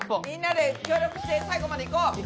みんなで協力して最後までいこう！